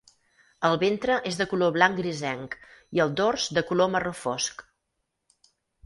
El ventre és de color blanc grisenc i el dors de color marró fosc.